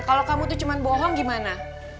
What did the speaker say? kalau kamu tuh cuma bohong gimana